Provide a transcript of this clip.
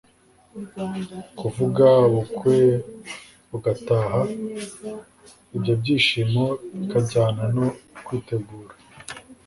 kuvuga, ubukwe bugataha... ibyo byishimo bikajyana no kwitegura